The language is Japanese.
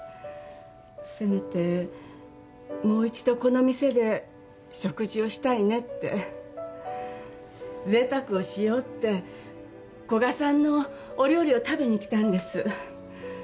せめてもう一度この店で食事をしたいねってぜいたくをしようって古賀さんのお料理を食べに来たんです。